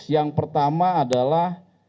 yang pertama adalah